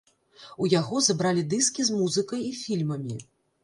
У яго забралі дыскі з музыкай і фільмамі.